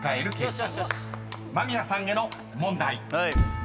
［間宮さんへの問題］